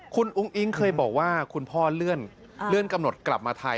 คุณอุ้งอิ๊งเคยบอกว่าคุณพ่อเลื่อนกำหนดกลับมาไทย